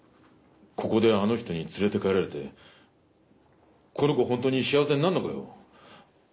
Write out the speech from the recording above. ここであの人に連れて帰られてこの子本当に幸せになるのかよ？